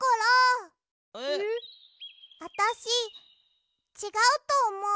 あたしちがうとおもう。